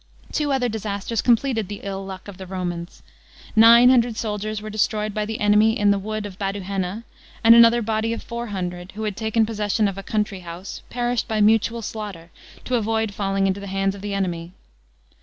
Two other disasters completed the ill luck of the Romans. Nine hundred soldiers were destroyed by the enemy in the wood of Baduhenna; and another body of four hundred, who had taken possession of a country house, perished by mutual slaughter, to avoid falling into the hands of the enemy.